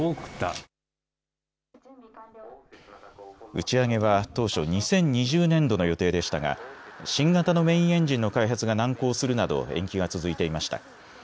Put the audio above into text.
打ち上げは当初、２０２０年度の予定でしたが新型のメインエンジンの開発が難航するなど延期が続いていました。